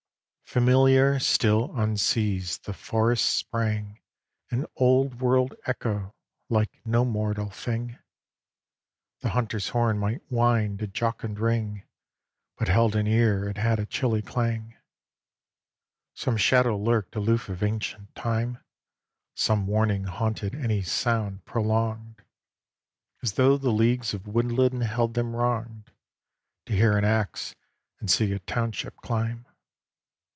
XXII Familiar, still unseized, the forest sprang An old world echo, like no mortal thing. The hunter's horn might wind a jocund ring, But held in ear it had a chilly clang. XXIII Some shadow lurked aloof of ancient time; Some warning haunted any sound prolonged, As though the leagues of woodland held them wronged To hear an axe and see a township climb.